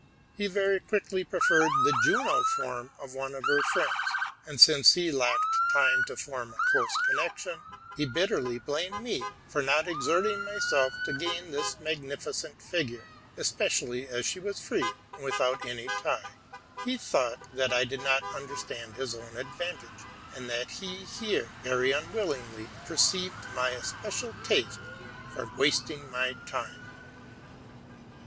He very quickly preferred the Juno form of one of her friends ; and, since he lacked time to form a close connection, he bitterly blamed me for not exerting myself to gain this magnificent figure, especially as she was free and without any tie. He thought that I did not understand my own advantage, and that he here — very unwillingly — perceived my especial taste for wasting my time.